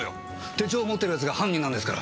手帳を持ってる奴が犯人なんですから。